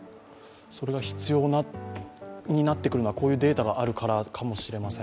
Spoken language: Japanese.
それが必要になってくるのはこういうデータがあるからかもしれません。